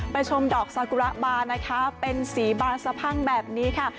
ชมดอกซากุระบานะคะเป็นสีบานสะพั่งแบบนี้ค่ะ